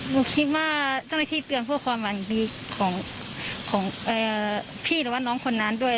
หนูคิดว่าเจ้าหน้าที่เตือนเพื่อความหวังดีของพี่หรือว่าน้องคนนั้นด้วย